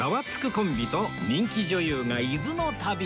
コンビと人気女優が伊豆の旅